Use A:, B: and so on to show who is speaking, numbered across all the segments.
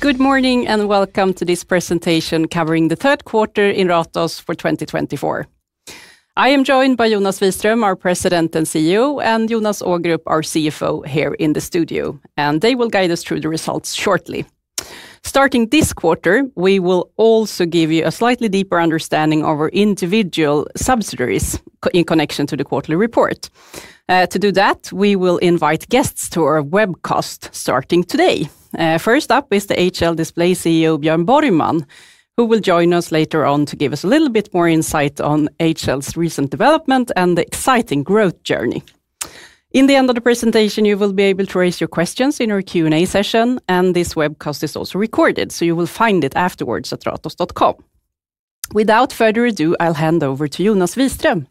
A: Good morning, and welcome to this presentation covering the third quarter in Ratos for 2024. I am joined by Jonas Wiström, our President and CEO, and Jonas Ågrup, our CFO, here in the studio, and they will guide us through the results shortly. Starting this quarter, we will also give you a slightly deeper understanding of our individual subsidiaries in connection to the quarterly report. To do that, we will invite guests to our webcast, starting today. First up is the HL Display CEO, Björn Borgman, who will join us later on to give us a little bit more insight on HL's recent development and the exciting growth journey. In the end of the presentation, you will be able to raise your questions in our Q&A session, and this webcast is also recorded, so you will find it afterwards at ratos.com. Without further ado, I'll hand over to Jonas Wiström.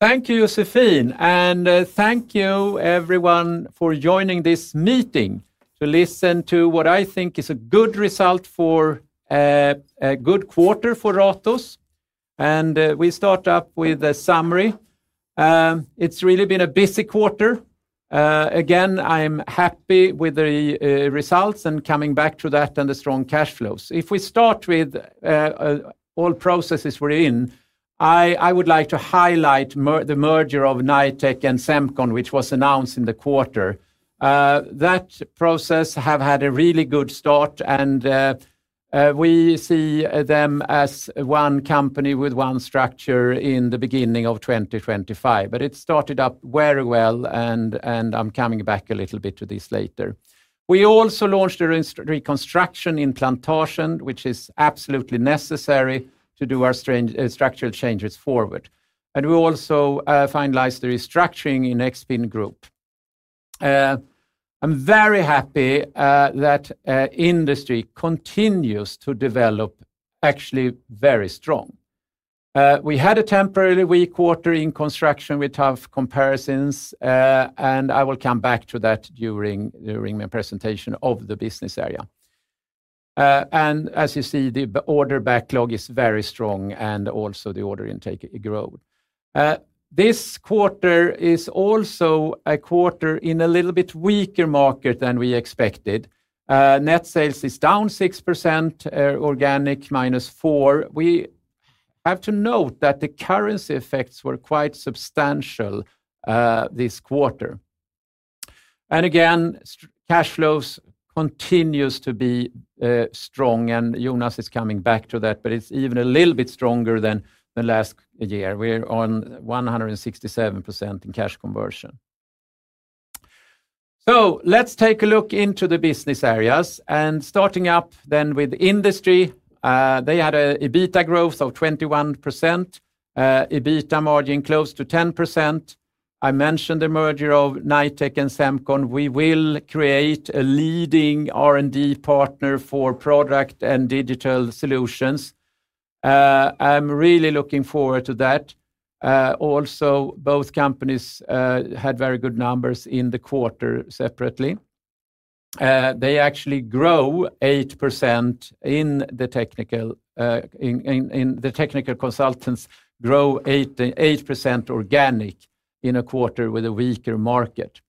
B: Thank you, Josefine, and thank you, everyone, for joining this meeting to listen to what I think is a good result for a good quarter for Ratos, and we start up with a summary. It's really been a busy quarter. Again, I'm happy with the results and coming back to that and the strong cash flows. If we start with all processes we're in, I would like to highlight the merger of Knightec and Semcon, which was announced in the quarter. That process have had a really good start, and we see them as one company with one structure in the beginning of 2025, but it started up very well, and I'm coming back a little bit to this later. We also launched a reconstruction in Plantasjen, which is absolutely necessary to do our structural changes forward, and we also finalized the restructuring in Expin Group. I'm very happy that Industry continues to develop actually very strong. We had a temporarily weak quarter in Construction with tough comparisons, and I will come back to that during my presentation of the business area, and as you see, the order backlog is very strong, and also the order intake it grow. This quarter is also a quarter in a little bit weaker market than we expected. Net sales is down 6%, organic -4%. We have to note that the currency effects were quite substantial this quarter. And again, cash flows continues to be strong, and Jonas is coming back to that, but it's even a little bit stronger than the last year. We're on 167% in cash conversion. So let's take a look into the business areas, and starting up then with Industry. They had an EBITDA growth of 21%, EBITDA margin close to 10%. I mentioned the merger of Knightec and Semcon. We will create a leading R&D partner for product and digital solutions. I'm really looking forward to that. Also, both companies had very good numbers in the quarter separately. They actually grow 8% in the technical consultants, grow 8% organic in a quarter with a weaker market.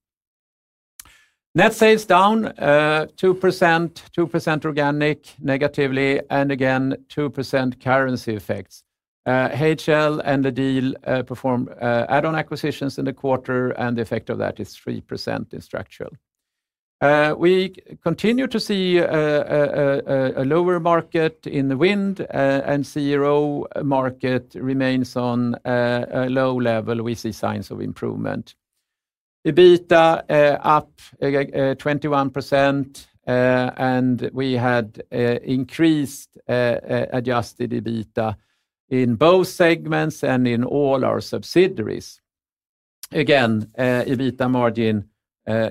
B: Net sales down 2%, 2% organic negatively, and again 2% currency effects. HL and LEDiL performed add-on acquisitions in the quarter, and the effect of that is 3% in structural. We continue to see a lower market in the wind, and Aero market remains on a low level. We see signs of improvement. EBITDA up 21%, and we had increased adjusted EBITDA in both segments and in all our subsidiaries. Again, EBITDA margin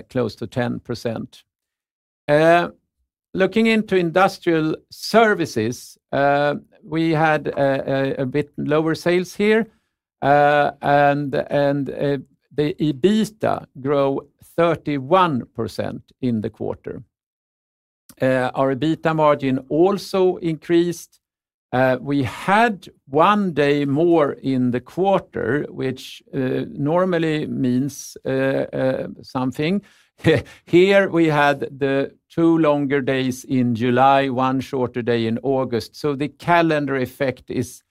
B: close to 10%. Looking into Industrial Services, we had a bit lower sales here, and the EBITDA grew 31% in the quarter. Our EBITDA margin also increased. We had one day more in the quarter, which normally means something. Here, we had the two longer days in July, one shorter day in August, so the calendar effect is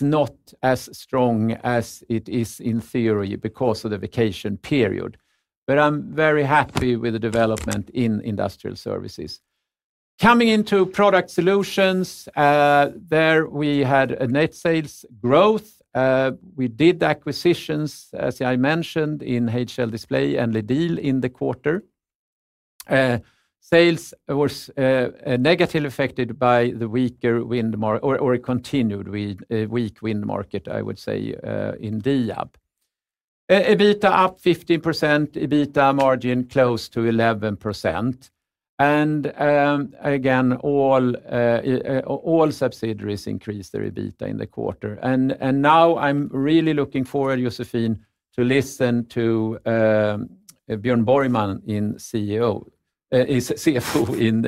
B: not as strong as it is in theory because of the vacation period. But I'm very happy with the development in Industrial Services. Coming into Product Solutions, there we had a net sales growth. We did acquisitions, as I mentioned, in HL Display and LEDiL in the quarter. Sales was negatively affected by the weaker wind market or a continued weak wind market, I would say, in Diab. EBITDA up 15%, EBITDA margin close to 11%, and again, all subsidiaries increased their EBITDA in the quarter. Now I'm really looking forward, Josefine, to listen to Björn Borgman,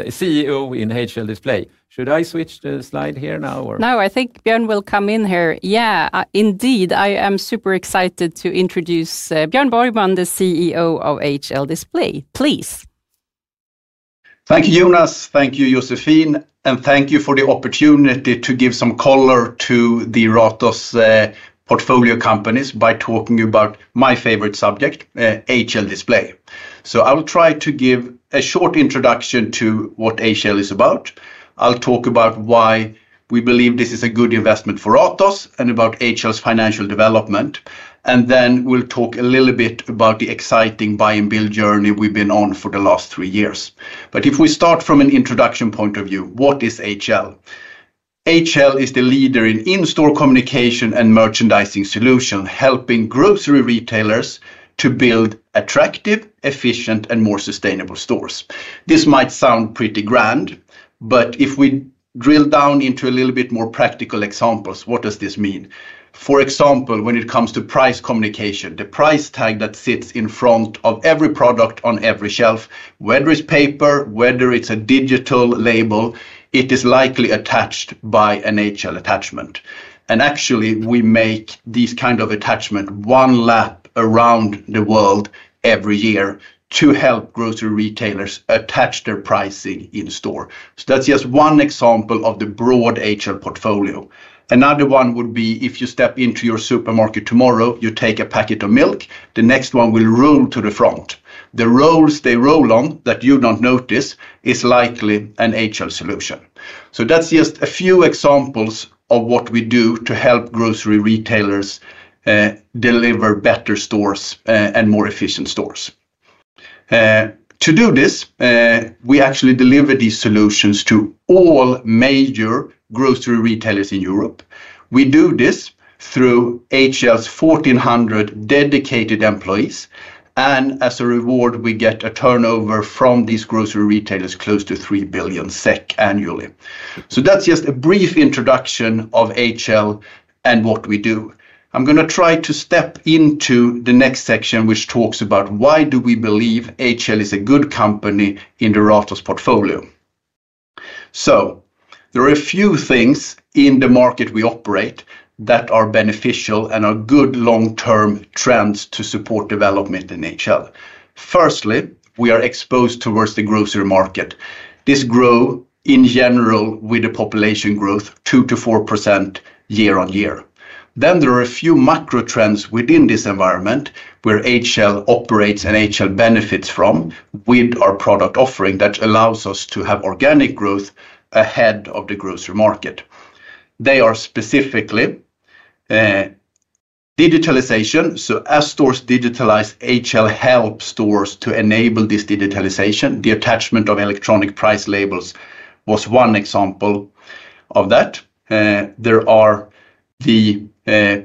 B: CEO of HL Display. Should I switch the slide here now, or?
A: No, I think Björn will come in here. Yeah, indeed, I am super excited to introduce, Björn Borgman, the CEO of HL Display. Please....
C: Thank you, Jonas. Thank you, Josefine, and thank you for the opportunity to give some color to the Ratos portfolio companies by talking about my favorite subject, HL Display, so I will try to give a short introduction to what HL is about. I'll talk about why we believe this is a good investment for Ratos and about HL's financial development, and then we'll talk a little bit about the exciting buy and build journey we've been on for the last three years, but if we start from an introduction point of view, what is HL? HL is the leader in in-store communication and merchandising solution, helping grocery retailers to build attractive, efficient, and more sustainable stores. This might sound pretty grand, but if we drill down into a little bit more practical examples, what does this mean? For example, when it comes to price communication, the price tag that sits in front of every product on every shelf, whether it's paper, whether it's a digital label, it is likely attached by an HL attachment. And actually, we make these kind of attachment one lap around the world every year to help grocery retailers attach their pricing in store. So that's just one example of the broad HL portfolio. Another one would be if you step into your supermarket tomorrow, you take a packet of milk, the next one will roll to the front. The rolls they roll on that you don't notice is likely an HL solution. So that's just a few examples of what we do to help grocery retailers, deliver better stores, and more efficient stores. To do this, we actually deliver these solutions to all major grocery retailers in Europe. We do this through HL's 1,400 dedicated employees, and as a reward, we get a turnover from these grocery retailers, close to 3 billion SEK annually. So that's just a brief introduction of HL and what we do. I'm gonna try to step into the next section, which talks about why do we believe HL is a good company in the Ratos portfolio. So there are a few things in the market we operate that are beneficial and are good long-term trends to support development in HL. Firstly, we are exposed towards the grocery market. This grow in general with the population growth, 2%-4% year-on-year. Then there are a few macro trends within this environment, where HL operates and HL benefits from with our product offering that allows us to have organic growth ahead of the grocery market. They are specifically, digitalization. So as stores digitalize, HL help stores to enable this digitalization. The attachment of electronic price labels was one example of that. There are the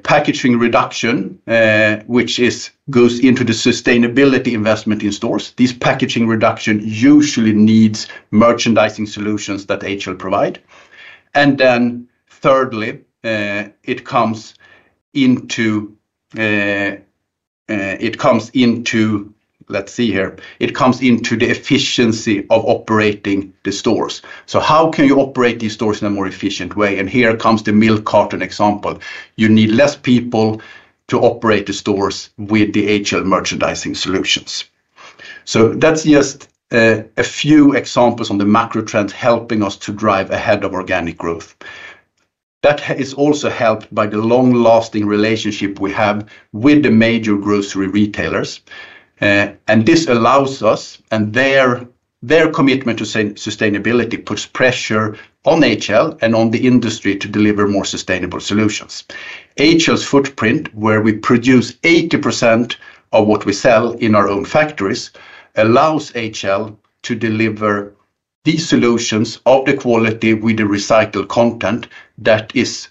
C: packaging reduction, which goes into the sustainability investment in stores. This packaging reduction usually needs merchandising solutions that HL provide. And then thirdly, it comes into, let's see here, it comes into the efficiency of operating the stores. So how can you operate these stores in a more efficient way? And here comes the milk carton example. You need less people to operate the stores with the HL merchandising solutions. So that's just a few examples on the macro trends helping us to drive ahead of organic growth. That is also helped by the long-lasting relationship we have with the major grocery retailers, and this allows us, and their commitment to sustainability puts pressure on HL and on the Industry to deliver more sustainable solutions. HL's footprint, where we produce 80% of what we sell in our own factories, allows HL to deliver these solutions of the quality with the recycled content that is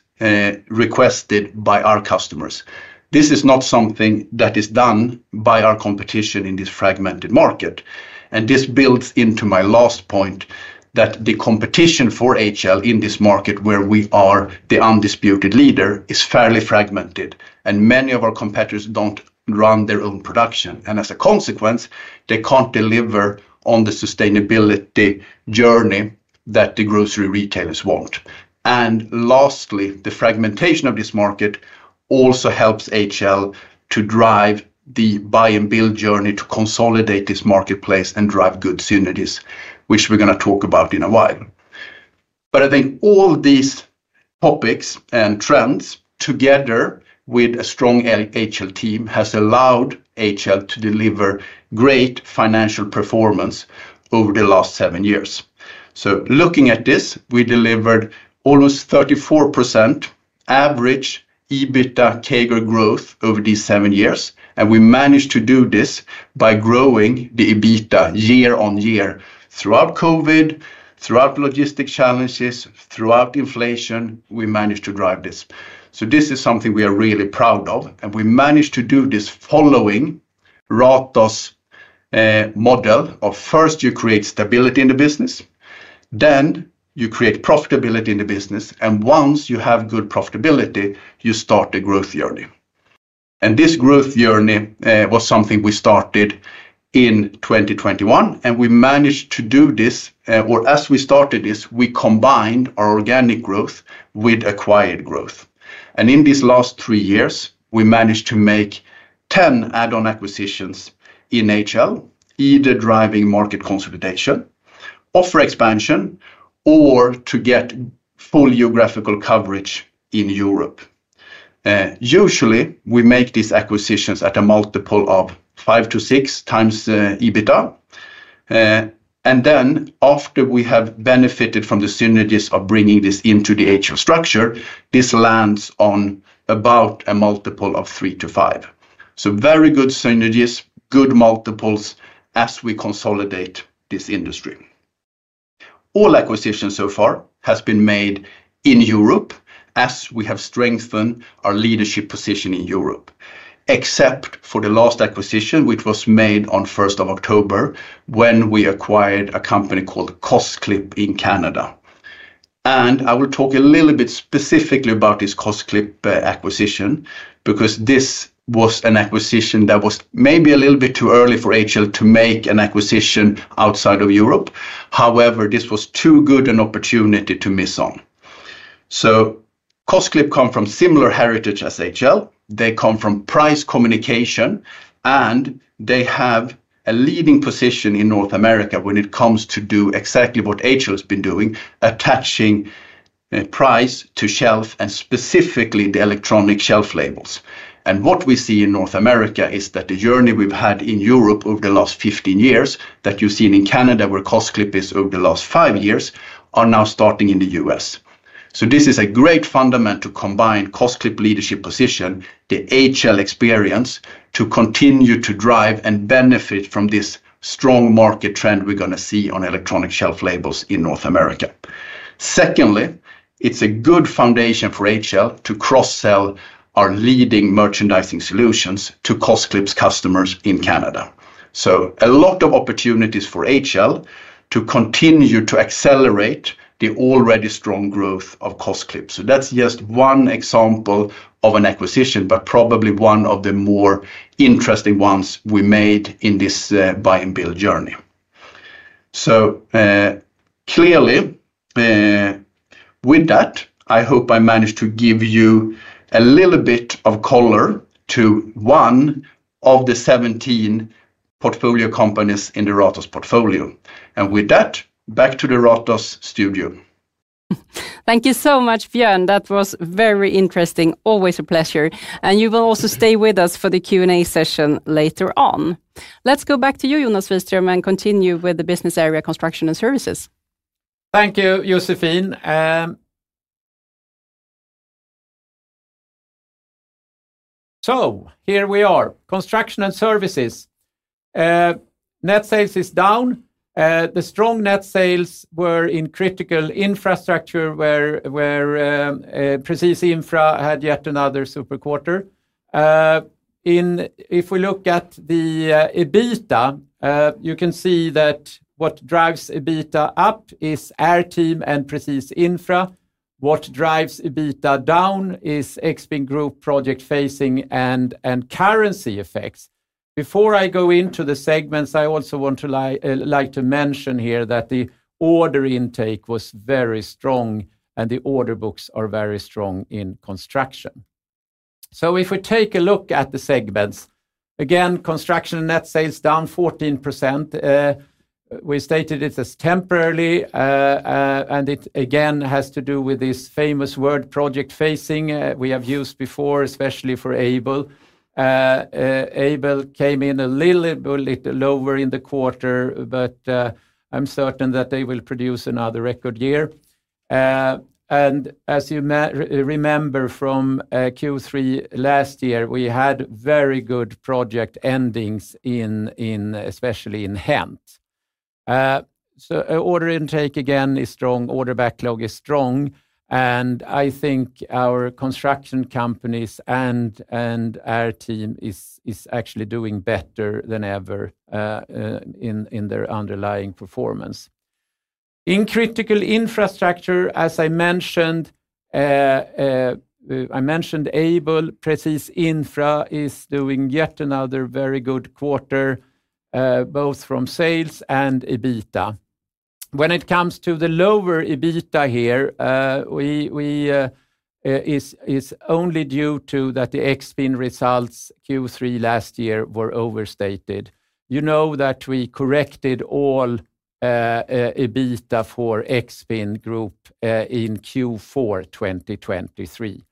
C: requested by our customers. This is not something that is done by our competition in this fragmented market, and this builds into my last point, that the competition for HL in this market, where we are the undisputed leader, is fairly fragmented, and many of our competitors don't run their own production, and as a consequence, they can't deliver on the sustainability journey that the grocery retailers want. And lastly, the fragmentation of this market also helps HL to drive the buy and build journey to consolidate this marketplace and drive good synergies, which we're gonna talk about in a while. But I think all these topics and trends, together with a strong HL team, has allowed HL to deliver great financial performance over the last seven years. So looking at this, we delivered almost 34% average EBITDA CAGR growth over these seven years, and we managed to do this by growing the EBITDA year-on-year. Throughout COVID, throughout logistic challenges, throughout inflation, we managed to drive this. So this is something we are really proud of, and we managed to do this following Ratos' model of first you create stability in the business, then you create profitability in the business, and once you have good profitability, you start the growth journey. This growth journey was something we started in 2021, and we managed to do this, or as we started this, we combined our organic growth with acquired growth. In these last three years, we managed to make 10 add-on acquisitions in HL, either driving market consolidation, offer expansion, or to get full geographical coverage in Europe. Usually, we make these acquisitions at a multiple of 5x-6x EBITDA. And then after we have benefited from the synergies of bringing this into the HL structure, this lands on about a multiple of three to five. So very good synergies, good multiples as we consolidate this Industry. All acquisitions so far has been made in Europe as we have strengthened our leadership position in Europe, except for the last acquisition, which was made on 1st of October, when we acquired a company called Kostklip in Canada, and I will talk a little bit specifically about this Kostklip acquisition, because this was an acquisition that was maybe a little bit too early for HL to make an acquisition outside of Europe. However, this was too good an opportunity to miss on. So Kostklip come from similar heritage as HL. They come from price communication, and they have a leading position in North America when it comes to do exactly what HL has been doing, attaching price to shelf and specifically the electronic shelf labels. What we see in North America is that the journey we've had in Europe over the last 15 years, that you've seen in Canada, where Kostklip is over the last five years, are now starting in the U.S. This is a great foundation to combine Kostklip leadership position, the HL experience, to continue to drive and benefit from this strong market trend we're going to see on electronic shelf labels in North America. Secondly, it's a good foundation for HL to cross-sell our leading merchandising solutions to Kostklip's customers in Canada. A lot of opportunities for HL to continue to accelerate the already strong growth of Kostklip. That's just one example of an acquisition, but probably one of the more interesting ones we made in this buy and build journey. So, clearly, with that, I hope I managed to give you a little bit of color to one of the 17 portfolio companies in the Ratos portfolio. And with that, back to the Ratos studio.
A: Thank you so much, Björn. That was very interesting. Always a pleasure, and you will also stay with us for the Q&A session later on. Let's go back to you, Jonas Wiström, and continue with the business area, Construction & Services.
B: Thank you, Josefine. So here we are, Construction & Services. Net sales is down. The strong net sales were in Critical Infrastructure, where Presis Infra had yet another super quarter. If we look at the EBITDA, you can see that what drives EBITDA up is airteam and Presis Infra. What drives EBITDA down is Expin Group, project phasing, and currency effects. Before I go into the segments, I also want to, like, mention here that the order intake was very strong, and the order books are very strong in Construction. So if we take a look at the segments, again, Construction net sales down 14%. We stated it as temporarily, and it again has to do with this famous word, project phasing, we have used before, especially for Aibel. Aibel came in a little lower in the quarter, but I'm certain that they will produce another record year. And as you remember from Q3 last year, we had very good project endings in, especially in HENT. So order intake, again, is strong, order backlog is strong, and I think our Construction companies and airteam is actually doing better than ever in their underlying performance. In Critical Infrastructure, as I mentioned, I mentioned Aibel. Presis Infra is doing yet another very good quarter, both from sales and EBITDA. When it comes to the lower EBITDA here, it is only due to that the Expin results Q3 last year were overstated. You know that we corrected all EBITDA for Expin Group in Q4 2023.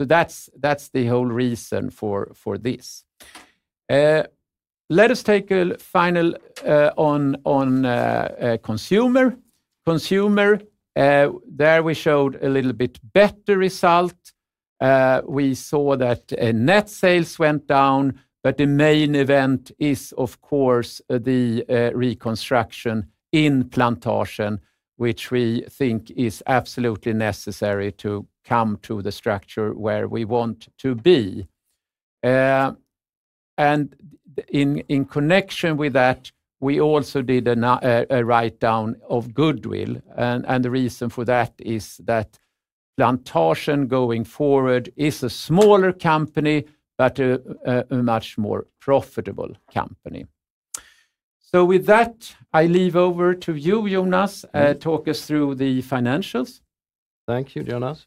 B: That's the whole reason for this. Let us take a final on Consumer. There we showed a little bit better result. We saw that net sales went down, but the main event is, of course, the reconstruction in Plantasjen, which we think is absolutely necessary to come to the structure where we want to be. And in connection with that, we also did a write-down of goodwill. And the reason for that is that Plantasjen, going forward, is a smaller company, but a much more profitable company. With that, I leave over to you, Jonas, talk us through the financials.
D: Thank you, Jonas.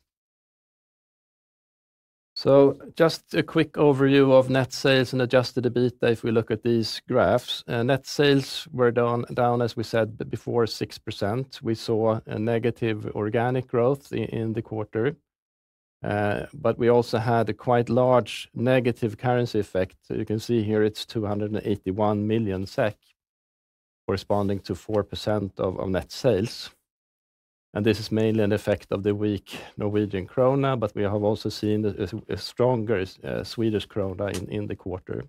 D: So just a quick overview of net sales and adjusted EBITDA if we look at these graphs. Net sales were down, as we said before, 6%. We saw a negative organic growth in the quarter, but we also had a quite large negative currency effect. So you can see here it's 281 million SEK, corresponding to 4% of net sales. And this is mainly an effect of the weak Norwegian krone, but we have also seen a stronger Swedish krona in the quarter.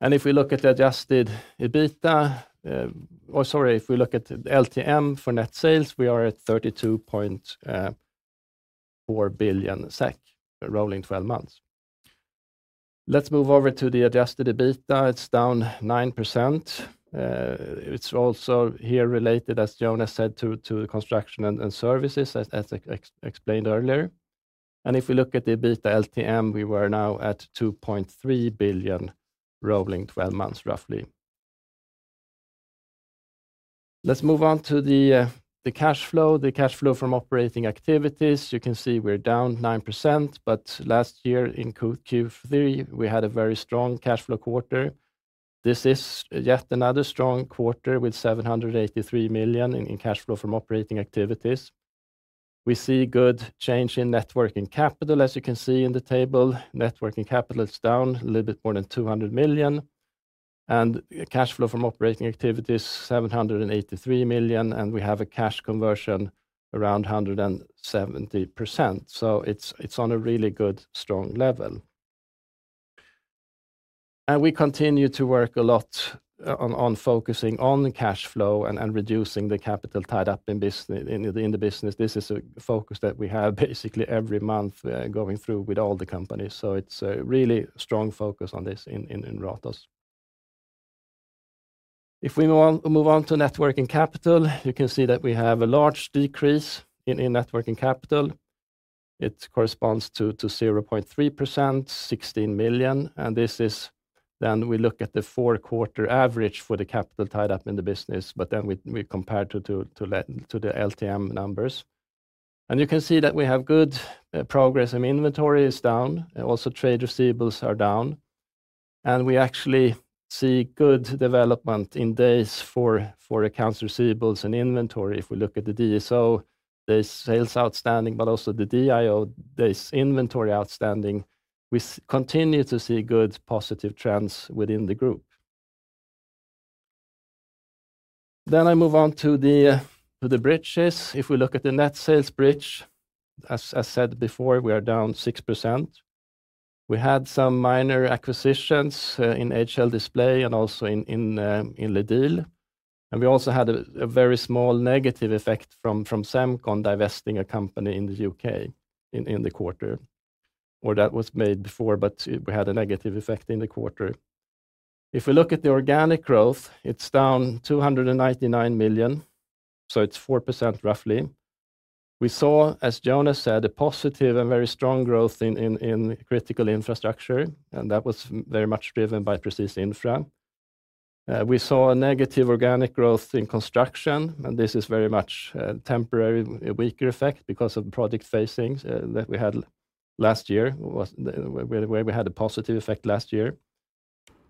D: And if we look at the adjusted EBITDA, or sorry, if we look at LTM for net sales, we are at 32.4 billion SEK, rolling 12 months. Let's move over to the adjusted EBITDA. It's down 9%. It's also here related, as Jonas said, to the Construction & Services, as I explained earlier. And if we look at the EBITDA LTM, we were now at 2.3 billion, rolling 12 months, roughly. Let's move on to the cash flow. The cash flow from operating activities, you can see we're down 9%, but last year in Q3, we had a very strong cash flow quarter. This is yet another strong quarter with 783 million in cash flow from operating activities. We see good change in net working capital, as you can see in the table. Net working capital is down a little bit more than 200 million, and cash flow from operating activities, 783 million, and we have a cash conversion around 170%. It's on a really good, strong level. We continue to work a lot on focusing on the cash flow and reducing the capital tied up in the business. This is a focus that we have basically every month, going through with all the companies. It's a really strong focus on this in Ratos. If we move on to net working capital, you can see that we have a large decrease in net working capital. It corresponds to 0.3%, 16 million, and this is then we look at the four-quarter average for the capital tied up in the business, but then we compare to the LTM numbers. You can see that we have good progress, and inventory is down, and also trade receivables are down. We actually see good development in days for accounts receivables and inventory. If we look at the DSO, days sales outstanding, but also the DIO, days inventory outstanding, we continue to see good positive trends within the group. I move on to the bridges. If we look at the net sales bridge, as I said before, we are down 6%. We had some minor acquisitions in HL Display and also in LEDiL. We also had a very small negative effect from Semcon divesting a company in the U.K. in the quarter, or that was made before, but it had a negative effect in the quarter. If we look at the organic growth, it's down 299 million, so it's 4% roughly. We saw, as Jonas said, a positive and very strong growth in Critical Infrastructure, and that was very much driven by Presis Infra. We saw a negative organic growth in Construction, and this is very much a temporary weaker effect because of project phasing that we had last year, where we had a positive effect last year.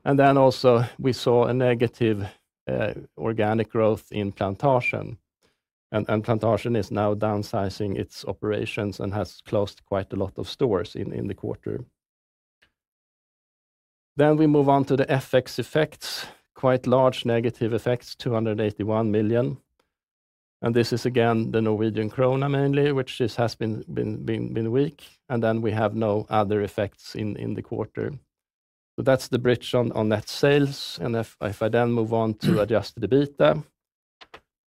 D: Then also we saw a negative organic growth in Plantasjen. Plantasjen is now downsizing its operations and has closed quite a lot of stores in the quarter. We move on to the FX effects, quite large negative effects, 281 million. This is, again, the Norwegian krone mainly, which this has been weak, and then we have no other effects in the quarter. So that's the bridge on net sales. If I then move on to adjusted EBITDA,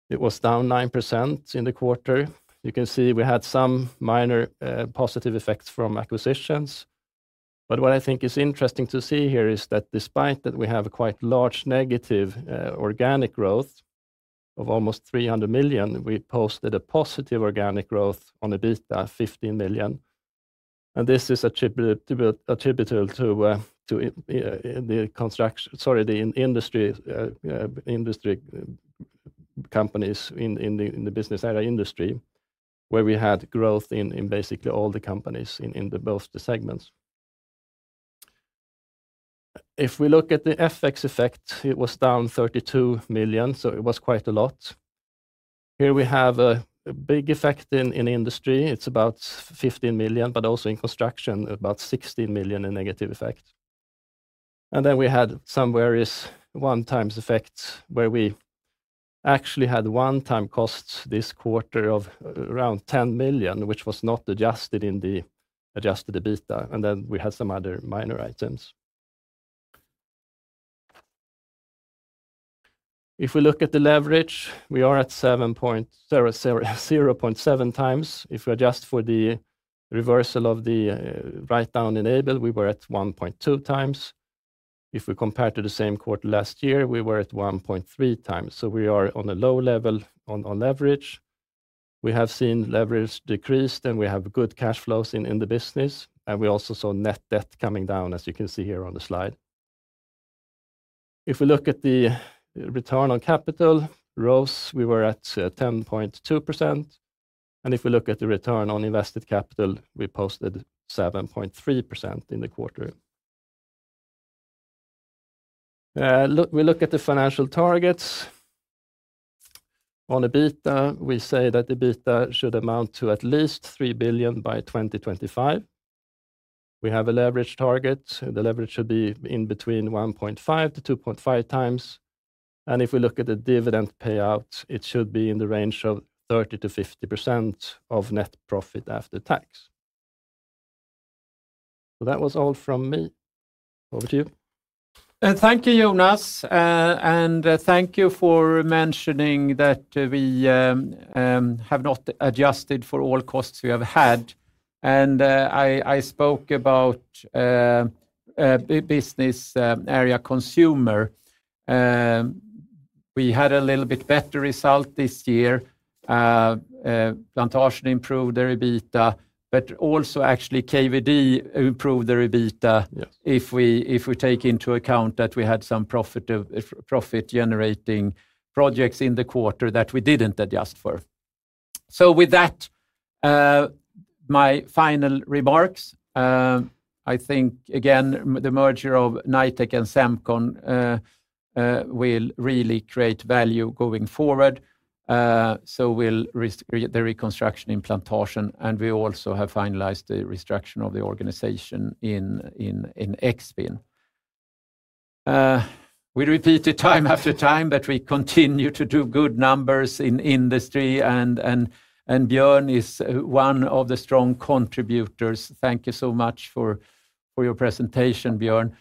D: it was down 9% in the quarter. You can see we had some minor positive effects from acquisitions. But what I think is interesting to see here is that despite that we have a quite large negative organic growth of almost 300 million, we posted a positive organic growth on EBITDA, 50 million. This is attributable to the Industry companies in the business area, Industry, where we had growth in basically all the companies in both the segments. If we look at the FX effect, it was down 32 million, so it was quite a lot. Here we have a big effect in Industry. It's about 15 million, but also in Construction, about 16 million in negative effect. And then we had some various one-times effects, where we actually had one-time costs this quarter of around 10 million, which was not adjusted in the adjusted EBITDA, and then we had some other minor items. If we look at the leverage, we are at 0.7x. If we adjust for the reversal of the write-down Aibel, we were at 1.2x. If we compare to the same quarter last year, we were at 1.3x. So we are on a low level on leverage. We have seen leverage decreased, and we have good cash flows in the business, and we also saw net debt coming down, as you can see here on the slide. If we look at the return on capital, ROC, we were at 10.2%, and if we look at the return on invested capital, we posted 7.3% in the quarter. We look at the financial targets. On EBITDA, we say that EBITDA should amount to at least 3 billion by 2025. We have a leverage target. The leverage should be in between 1.5x-2.5x. And if we look at the dividend payout, it should be in the range of 30%-50% of net profit after tax. So that was all from me. Over to you.
B: Thank you, Jonas, and thank you for mentioning that we have not adjusted for all costs we have had. I spoke about business area Consumer. We had a little bit better result this year. Plantasjen improved their EBITDA, but also actually KVD improved their EBITDA.
D: Yes...
B: if we, if we take into account that we had some profit of, profit-generating projects in the quarter that we didn't adjust for. So with that, my final remarks, I think, again, the merger of Knightec and Semcon will really create value going forward, so will the reconstruction in Plantasjen, and we also have finalized the restructure of the organization in Expin. We repeat it time after time, but we continue to do good numbers in Industry and Björn is one of the strong contributors. Thank you so much for your presentation, Björn.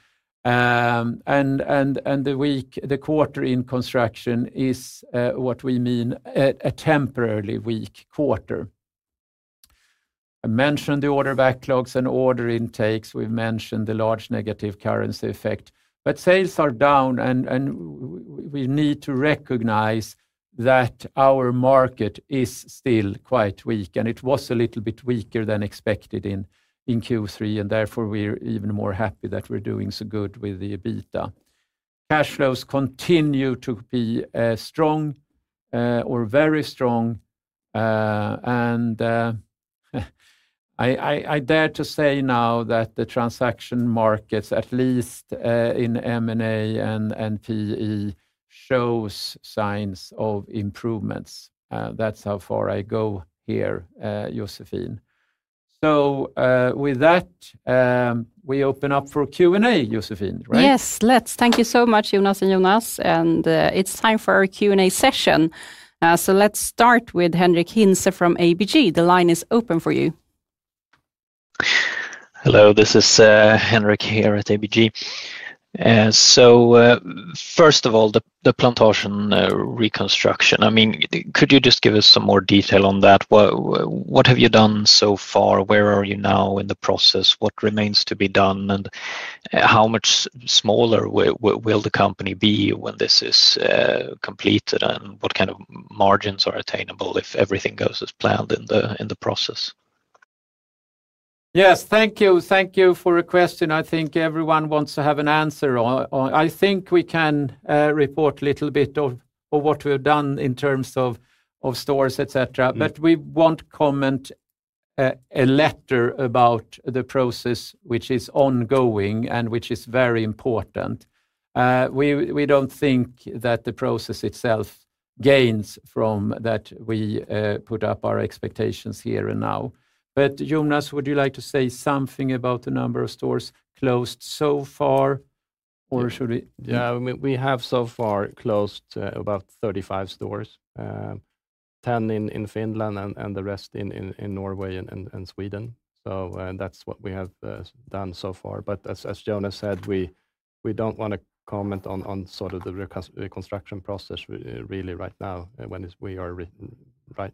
B: The week, the quarter in Construction is what we mean a temporarily weak quarter. I mentioned the order backlogs and order intakes. We've mentioned the large negative currency effect, but sales are down, and we need to recognize that our market is still quite weak, and it was a little bit weaker than expected in Q3, and therefore, we're even more happy that we're doing so good with the EBITDA. Cash flows continue to be strong or very strong, and I dare to say now that the transaction markets, at least in M&A and PE, shows signs of improvements. That's how far I go here, Josefine. So, with that, we open up for Q&A, Josefine, right?
A: Yes, let's. Thank you so much, Jonas and Jonas, and it's time for our Q&A session, so let's start with Henric Hintze from ABG. The line is open for you.
E: Hello, this is Henric here at ABG. So, first of all, the Plantasjen restructuring, I mean, could you just give us some more detail on that? What have you done so far? Where are you now in the process? What remains to be done, and how much smaller will the company be when this is completed? And what kind of margins are attainable if everything goes as planned in the process?
B: Yes, thank you. Thank you for a question I think everyone wants to have an answer on. I think we can report a little bit of what we've done in terms of stores, et cetera.
E: Mm-hmm.
B: But we won't comment at all about the process which is ongoing and which is very important. We don't think that the process itself gains from that we put up our expectations here and now. But, Jonas, would you like to say something about the number of stores closed so far, or should we-
D: Yeah, we have so far closed about 35 stores, 10 in Finland and the rest in Norway and Sweden. So, that's what we have done so far. But as Jonas said, we don't want to comment on sort of the restructuring process really right now, when we are right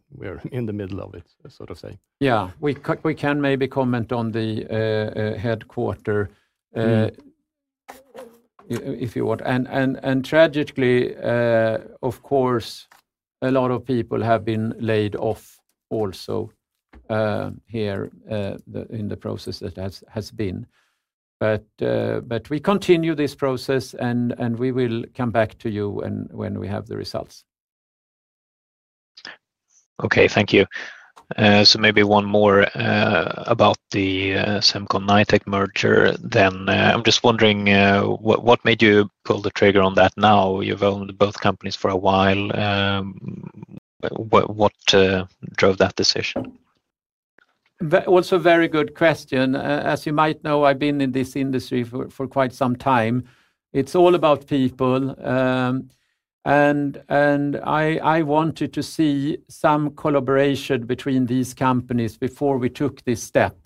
D: in the middle of it, so to say.
B: Yeah, we can maybe comment on the headquarters.
D: Mm-hmm
B: If you would, and tragically, of course, a lot of people have been laid off also here in the process that has been. But we continue this process, and we will come back to you when we have the results.
E: Okay, thank you. So maybe one more about the Semcon-Knightec merger, then I'm just wondering what made you pull the trigger on that now? You've owned both companies for a while. What drove that decision?
B: Also very good question. As you might know, I've been in this Industry for quite some time. It's all about people, and I wanted to see some collaboration between these companies before we took this step,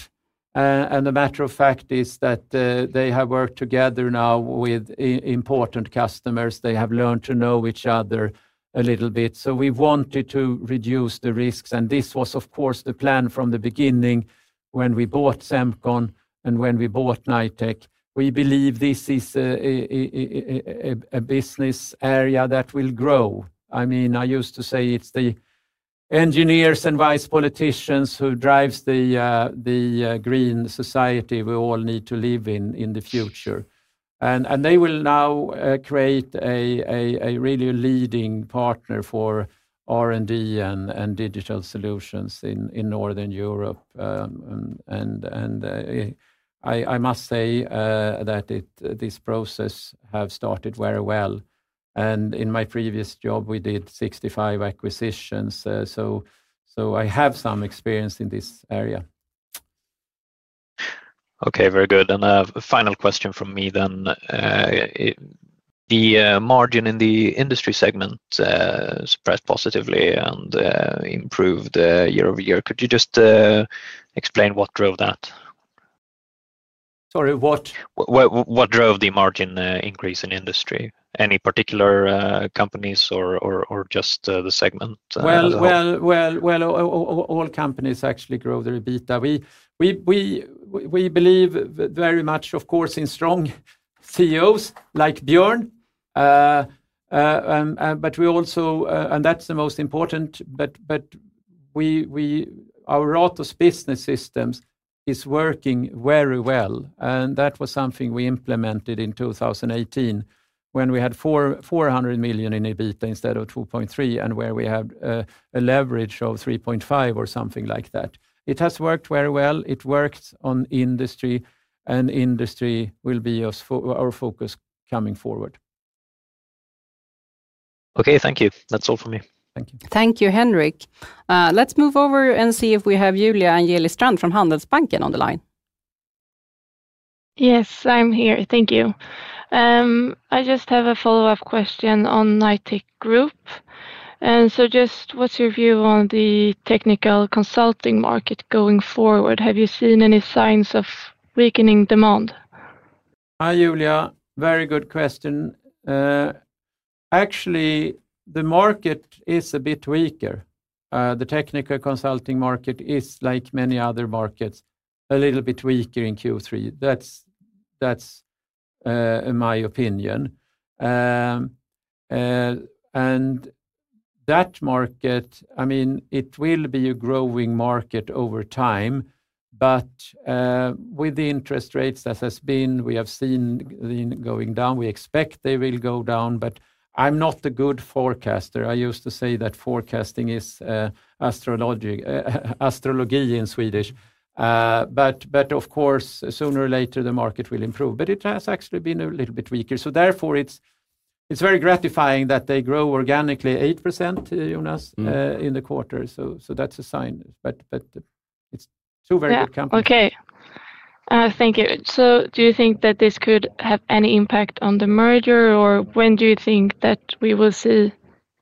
B: and the matter of fact is that they have worked together now with important customers. They have learned to know each other a little bit. So we wanted to reduce the risks, and this was, of course, the plan from the beginning when we bought Semcon and when we bought Knightec. We believe this is a business area that will grow. I mean, I used to say it's the engineers and politicians who drive the green society we all need to live in the future. They will now create a really leading partner for R&D and digital solutions in Northern Europe. I must say that it, this process have started very well, and in my previous job, we did 65 acquisitions, so I have some experience in this area.
E: Okay, very good. And a final question from me then. The margin in the Industry segment surprised positively and improved year-over-year. Could you just explain what drove that?
B: Sorry, what?
E: What drove the margin increase in Industry? Any particular companies or just the segment as a whole?
B: All companies actually grow their EBITDA. We believe very much, of course, in strong CEOs, like Björn. That's the most important, but we our Ratos Business System is working very well, and that was something we implemented in 2018, when we had 400 million in EBITDA instead of 2.3, and where we had a leverage of 3.5 or something like that. It has worked very well. It works on Industry, and Industry will be our focus coming forward.
E: Okay, thank you. That's all for me. Thank you.
A: Thank you, Henric. Let's move over and see if we have Julia Angeli Strand from Handelsbanken on the line.
F: Yes, I'm here. Thank you. I just have a follow-up question on Knightec Group. And so just what's your view on the technical consulting market going forward? Have you seen any signs of weakening demand?
B: Hi, Julia. Very good question. Actually, the market is a bit weaker. The technical consulting market is, like many other markets, a little bit weaker in Q3. That's, that's, in my opinion. And that market, I mean, it will be a growing market over time, but with the interest rates as has been, we have seen them going down. We expect they will go down, but I'm not a good forecaster. I used to say that forecasting is, astrology, astrology in Swedish. But of course, sooner or later, the market will improve, but it has actually been a little bit weaker. So therefore, it's, it's very gratifying that they grow organically 8%, Jonas, -
D: Mm-hmm...
B: in the quarter. So, that's a sign, but it's two very good companies.
F: Yeah. Okay, thank you. So do you think that this could have any impact on the merger, or when do you think that we will see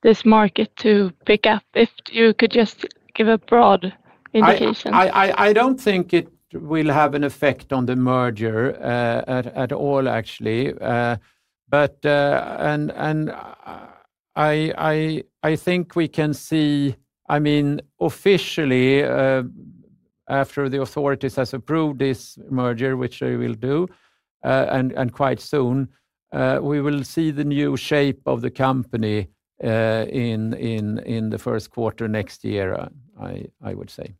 F: this market to pick up? If you could just give a broad indication.
B: I don't think it will have an effect on the merger at all, actually. I think we can see, I mean, officially, after the authorities has approved this merger, which they will do, quite soon, we will see the new shape of the company in the first quarter next year, I would say.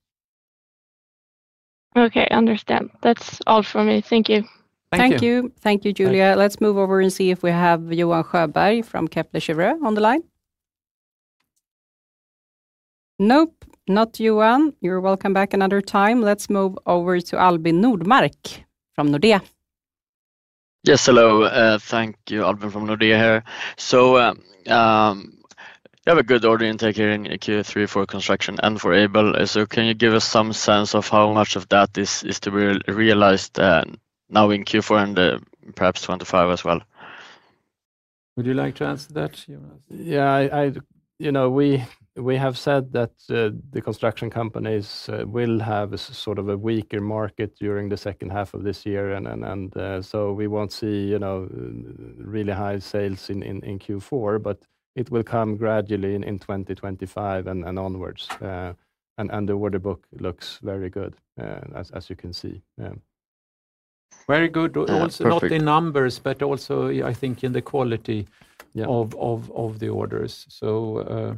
F: Okay, understand. That's all for me. Thank you.
B: Thank you.
A: Thank you. Thank you, Julia. Let's move over and see if we have Johan Sjöberg from Kepler Cheuvreux on the line. Nope, not Johan. You're welcome back another time. Let's move over to Albin Nordmark from Nordea.
G: Yes, hello. Thank you, Albin from Nordea here. So, you have a good order intake here in Q3 for Construction and for Aibel. So can you give us some sense of how much of that is to be realized now in Q4 and perhaps 2025 as well?
B: Would you like to answer that, Jonas?
D: Yeah, you know, we have said that the Construction companies will have a sort of a weaker market during the second half of this year, and so we won't see, you know, really high sales in Q4, but it will come gradually in 2025 and onwards. And the order book looks very good, as you can see. Yeah.
B: Very good-
G: Yeah, perfect...
B: also not in numbers, but also, I think, in the quality-
D: Yeah...
B: of the orders. So,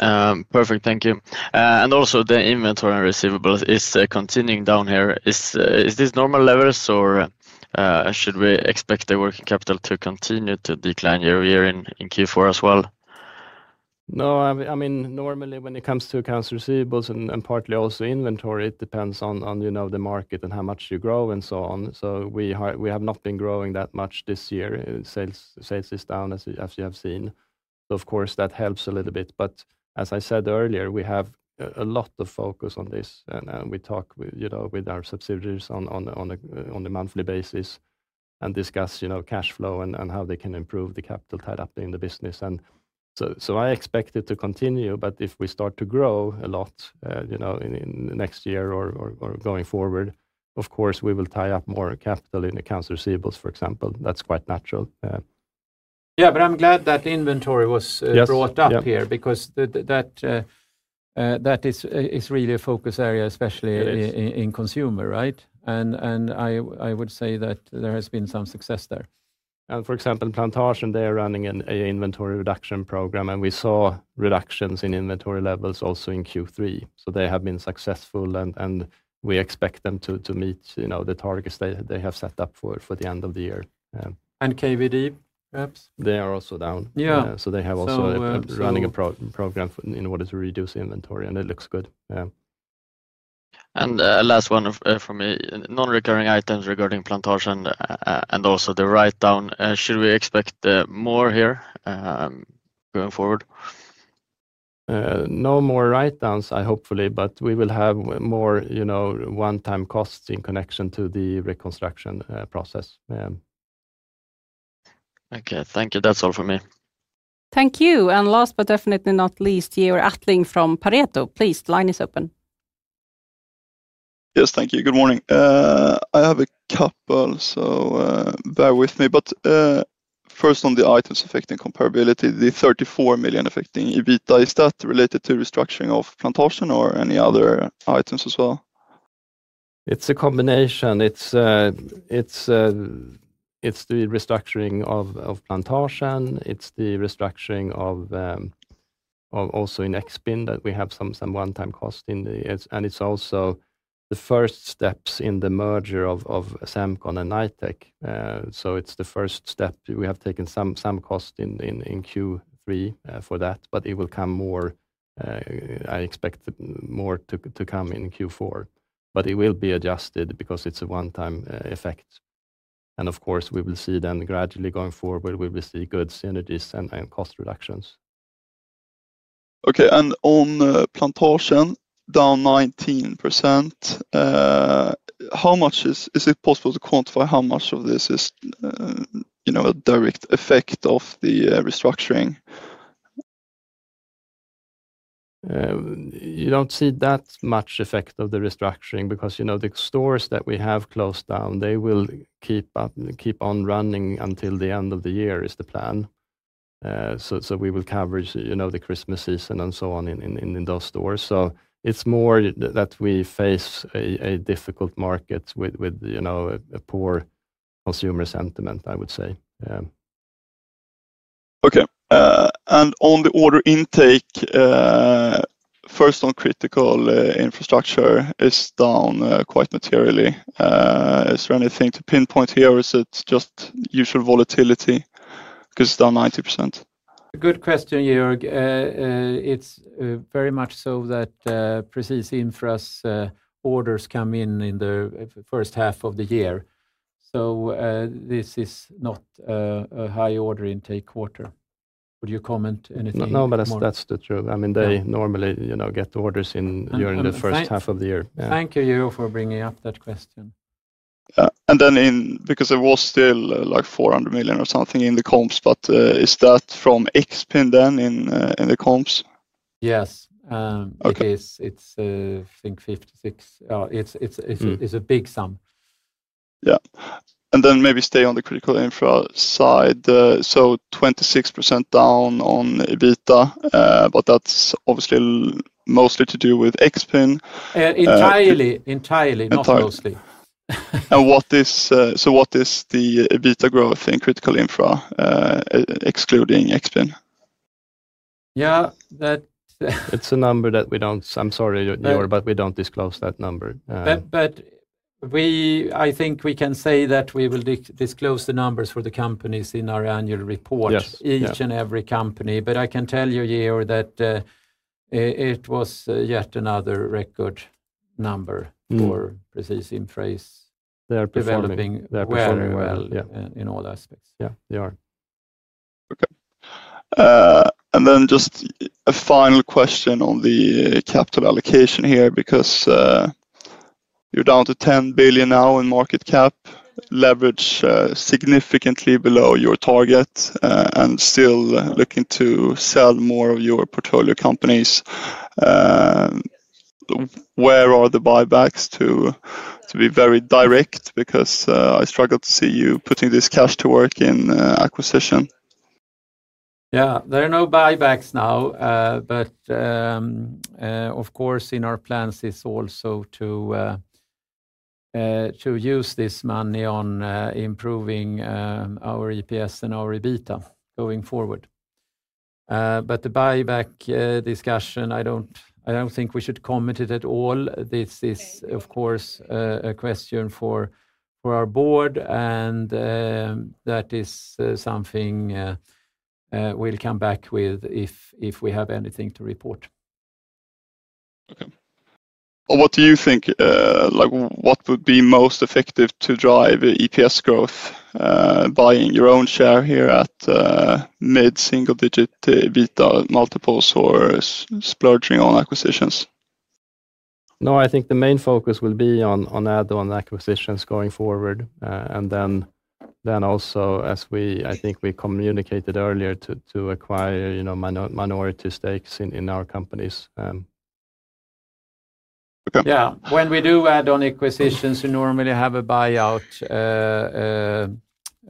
B: yeah.
G: Perfect. Thank you. And also, the inventory and receivables is continuing down here. Is this normal levels, or should we expect the working capital to continue to decline year-over-year in Q4 as well?
D: No, I mean, normally, when it comes to accounts receivable and partly also inventory, it depends on, you know, the market and how much you grow and so on. So we have not been growing that much this year. Sales is down, as you have seen. Of course, that helps a little bit, but as I said earlier, we have a lot of focus on this, and we talk with, you know, with our subsidiaries on a monthly basis and discuss, you know, cash flow and how they can improve the capital tied up in the business. I expect it to continue, but if we start to grow a lot, you know, in the next year or going forward, of course, we will tie up more capital in accounts receivables, for example. That's quite natural.
B: Yeah, but I'm glad that inventory was.
G: Yes...
B: brought up here.
G: Yeah...
B: because that...
D: that is really a focus area, especially-
B: It is...
D: in Consumer, right? And I would say that there has been some success there.
B: And for example, Plantasjen, they are running an inventory reduction program, and we saw reductions in inventory levels also in Q3. So they have been successful, and we expect them to meet, you know, the targets they have set up for the end of the year.
G: KVD, perhaps?
B: They are also down.
D: Yeah.
B: So they have also-
D: So...
B: running a program in order to reduce inventory, and it looks good. Yeah.
G: Last one from me. Non-recurring items regarding Plantasjen, and also the write-down, should we expect more here going forward?
B: No more write-downs, hopefully, but we will have more, you know, one-time costs in connection to the reconstruction process. Yeah.
G: Okay, thank you. That's all for me.
A: Thank you, and last but definitely not least, Georg Attling from Pareto. Please, the line is open.
H: Yes, thank you. Good morning. I have a couple, so, bear with me. But, first, on the items affecting comparability, the 34 million affecting EBITDA, is that related to restruction of Plantasjen or any other items as well?
D: It's a combination. It's the restructuring of Plantasjen. It's the restructuring of also in Expin, that we have some one-time cost in the... And it's also the first steps in the merger of Semcon and Knightec. So it's the first step. We have taken some cost in Q3 for that, but it will come more. I expect more to come in Q4. But it will be adjusted, because it's a one-time effect. And of course, we will see then gradually going forward, we will see good synergies and cost reductions.
H: Okay, and on Plantasjen, down 19%, how much... Is it possible to quantify how much of this is, you know, a direct effect of the restructuring?
D: You don't see that much effect of the restructuring because, you know, the stores that we have closed down, they will keep on running until the end of the year, is the plan. So we will cover, you know, the Christmas season and so on in those stores. So it's more that we face a difficult market with, you know, a poor Consumer sentiment, I would say. Yeah.
H: Okay, and on the order intake, first, on Critical Infrastructure is down quite materially. Is there anything to pinpoint here, or is it just usual volatility? Because it's down 90%.
B: Good question, Georg. It's very much so that Presis Infra's orders come in in the first half of the year, so this is not a high order intake quarter. Would you comment anything more?
D: No, no, that's, that's the truth.
B: Yeah.
D: I mean, they normally, you know, get the orders in during the first-
B: And thank-...
D: half of the year. Yeah.
B: Thank you, Georg, for bringing up that question.
H: Yeah, and then in, because there was still, like, 400 million or something in the comps, but, is that from Expin then in, in the comps?
B: Yes, um-
H: Okay...
B: it is. It's, I think 56 It's-
D: Mm...
B: a big sum.
H: Yeah, and then maybe stay on the Critical Infra side. So 26% down on EBITDA, but that's obviously mostly to do with Expin.
B: Entirely, entirely-
H: Entirely...
B: not mostly.
H: What is the EBITDA growth in Critical Infra, excluding Expin?
B: Yeah, that-
D: It's a number that we don't... I'm sorry, Georg, but we don't disclose that number.
B: But I think we can say that we will disclose the numbers for the companies in our annual report.
D: Yes, yeah...
B: each and every company. But I can tell you, Georg, that it was yet another record number-
D: Mm...
B: for Presis Infra's-
D: They are performing-
B: Developing-
D: They are performing well....
B: well, well-
D: Yeah...
B: in all aspects.
D: Yeah, they are.
H: Okay, and then just a final question on the capital allocation here, because you're down to 10 billion now in market cap, leverage significantly below your target, and still looking to sell more of your portfolio companies. Where are the buybacks, to, to be very direct? Because I struggle to see you putting this cash to work in acquisition.
B: Yeah, there are no buybacks now, but of course, in our plans is also to use this money on improving our EPS and our EBITDA going forward. But the buyback discussion, I don't think we should comment it at all. This is, of course, a question for our board, and that is something we'll come back with, if we have anything to report.
H: Okay, well, what do you think, like, what would be most effective to drive EPS growth, buying your own share here at mid-single digit EBITDA multiples or splurging on acquisitions?
D: No, I think the main focus will be on add-on acquisitions going forward, and then also, as we, I think we communicated earlier, to acquire, you know, minority stakes in our companies....
B: Yeah, when we do add-on acquisitions, we normally have a buyout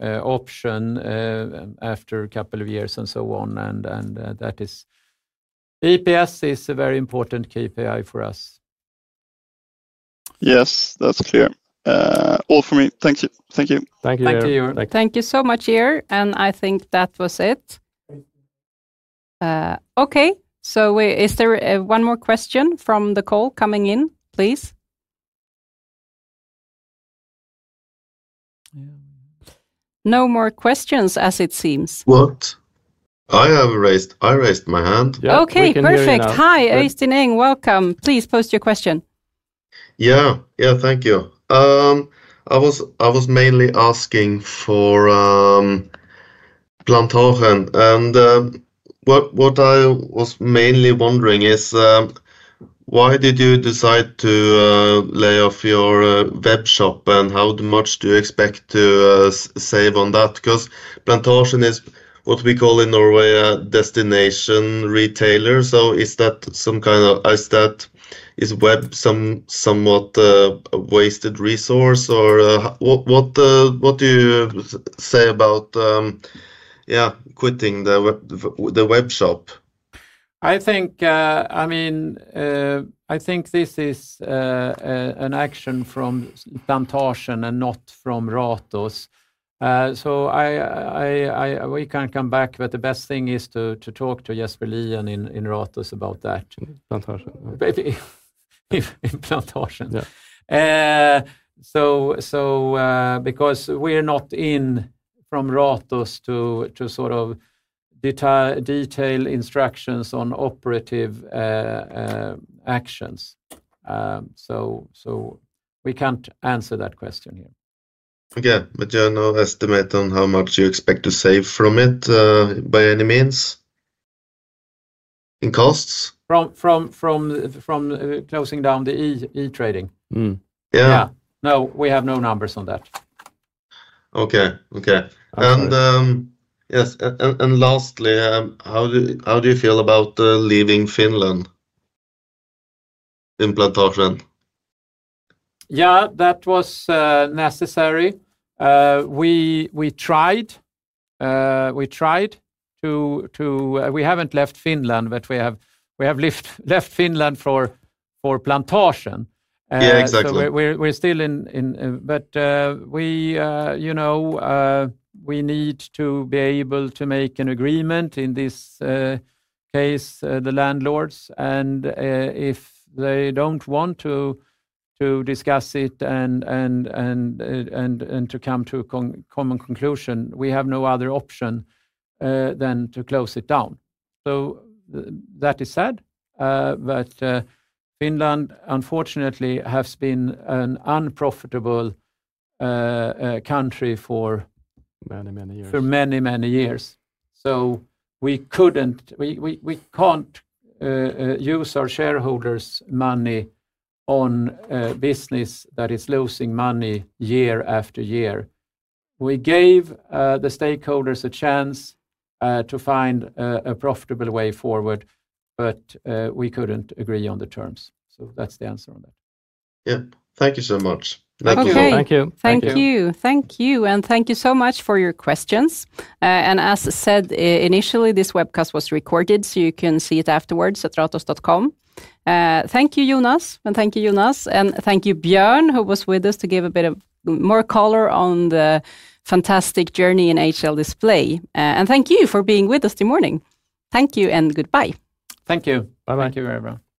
B: option after a couple of years and so on, and that is - EPS is a very important KPI for us.
H: Yes, that's clear. All for me. Thank you. Thank you.
B: Thank you, Georg.
A: Thank you. Thank you so much, Georg, and I think that was it. Okay, so is there one more question from the call coming in, please? Yeah. No more questions, as it seems. What? I have raised - I raised my hand. Okay, perfect.
B: Yeah, we can hear you now.
A: Hi, Øystein Eng. Welcome. Please post your question. Yeah. Yeah, thank you. I was mainly asking for Plantasjen, and what I was mainly wondering is why did you decide to lay off your web shop, and how much do you expect to save on that? Because Plantasjen is what we call in Norway a destination retailer. So is that web somewhat a wasted resource or? What do you say about yeah quitting the web, the web shop?
B: I think, I mean, I think this is an action from Plantasjen and not from Ratos. We can come back, but the best thing is to talk to Jesper Lien in Ratos about that. Plantasjen. Plantasjen. Yeah. Because we're not in a position from Ratos to sort of detail instructions on operational actions, so we can't answer that question here. Okay, but you have no estimate on how much you expect to save from it by any means in costs? From closing down the e-trading? Mm. Yeah. Yeah. No, we have no numbers on that. Okay, okay. Okay. Yes, and lastly, how do you feel about leaving Finland in Plantasjen? Yeah, that was necessary. We tried to... We haven't left Finland, but we have left Finland for Plantasjen. Yeah, exactly. But you know, we need to be able to make an agreement. In this case, the landlords and if they don't want to discuss it and to come to a common conclusion, we have no other option than to close it down. So that is sad, but Finland, unfortunately, has been an unprofitable country for-
D: Many, many years....
B: for many, many years. So we couldn't. We can't use our shareholders' money on a business that is losing money year after year. We gave the stakeholders a chance to find a profitable way forward, but we couldn't agree on the terms. So that's the answer on that. Yeah. Thank you so much. Thank you.
A: Okay.
B: Thank you.
A: Thank you. Thank you, and thank you so much for your questions, and as said, initially, this webcast was recorded, so you can see it afterwards at ratos.com. Thank you, Jonas, and thank you, Jonas, and thank you, Björn, who was with us to give a bit more color on the fantastic journey in HL Display, and thank you for being with us this morning. Thank you and goodbye.
B: Thank you.
C: Bye-bye.
B: Thank you, everyone.